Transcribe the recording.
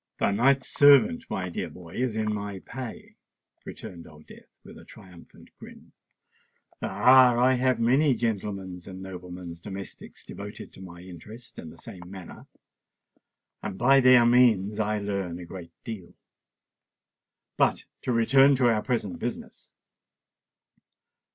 "The knight's servant, my dear boy, is in my pay," returned Old Death, with a triumphant grin. "Ah! I have many gentlemen's and noblemen's domestics devoted to my interests in the same manner; and by their means I learn a great deal. But to return to our present business.